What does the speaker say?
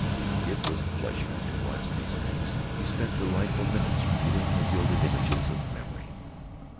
It was pleasure to watch these things. He spent delightful minutes viewing the gilded images of memory.